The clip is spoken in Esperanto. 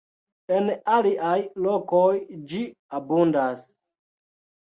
En aliaj lokoj ĝi abundas.